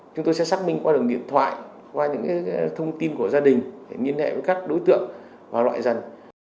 chúng tôi sẽ xác minh qua đường điện thoại qua những thông tin của gia đình để liên hệ với các đối tượng và loại dần